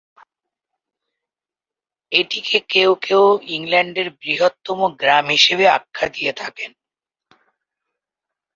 এটিকে কেউ কেউ "ইংল্যান্ডের বৃহত্তম গ্রাম" হিসেবে আখ্যা দিয়ে থাকেন।